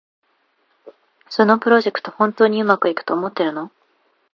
そのプロジェクト、本当にうまくいくと思ってるの？